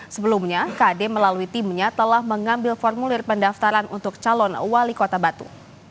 sebelumnya kd melalui timnya telah mengambil formulir pendaftaran untuk calon wali kota batu